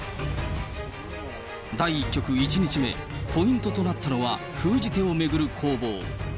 第１局１日目、ポイントとなったのは、封じ手を巡る攻防。